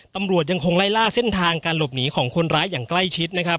ตำรวจยังคงไล่ล่าเส้นทางการหลบหนีของคนร้ายอย่างใกล้ชิดนะครับ